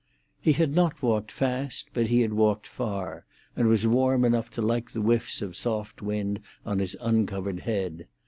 He had not walked fast, but he had walked far, and was warm enough to like the whiffs of soft wind on his uncovered head.